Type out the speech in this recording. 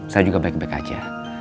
saya juga baik baik aja